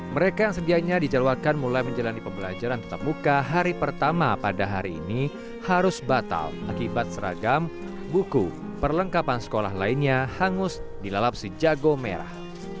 mereka yang sedianya dijawabkan mulai menjalani pembelajaran tetap muka hari pertama pada hari ini harus batal akibat seragam buku perlengkapan sekolah lainnya hangus dilalap si jago merah